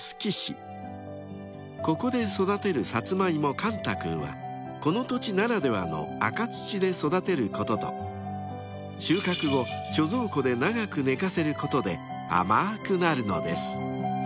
甘太くんはこの土地ならではの赤土で育てることと収穫後貯蔵庫で長く寝かせることで甘くなるのです］